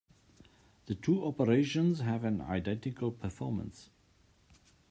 The two operations have an identical performance.